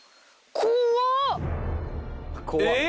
怖っ。